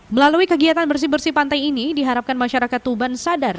melalui kegiatan bersih bersih pantai ini diharapkan masyarakat tuban sadar